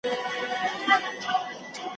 زده کوونکي د ښووني په پروسه کې رغنده ونډه لري.